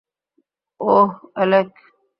ওহ, Alec.